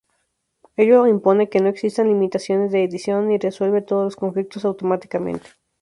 Ello impone que no existan limitaciones de edición y resuelve todos los conflictos automáticamente.